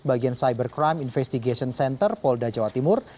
bagian cybercrime investigation center polda jawa timur